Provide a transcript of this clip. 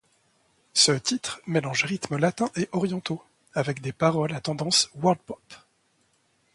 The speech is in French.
Ce titre mélange rythmes latins et orientaux, avec des paroles à tendance World Pop.